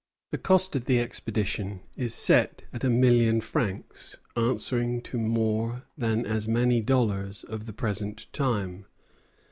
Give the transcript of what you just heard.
The cost of the expedition is set at a million francs, answering to more than as many dollars of the present time.